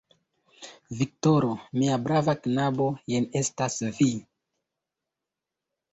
Viktoro! mia brava knabo, jen estas vi!